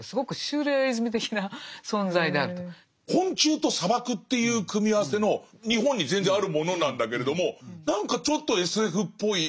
要するに昆虫と砂漠という組み合わせの日本に全然あるものなんだけれども何かちょっとＳＦっぽい。